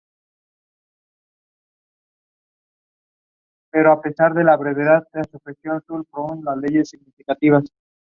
Hardy hit the Twist of Fate on both Priest and Sheamus.